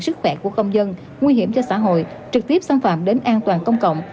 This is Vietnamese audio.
sức khỏe của công dân nguy hiểm cho xã hội trực tiếp xâm phạm đến an toàn công cộng